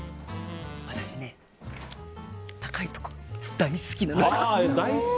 私ね、高いところ大好きなの。